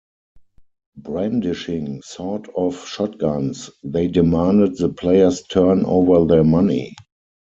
Brandishing sawed-off shotguns, they demanded the players turn over their money.